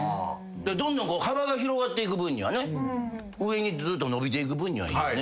どんどん幅が広がっていく分にはね上にずっと伸びていく分にはいいよね。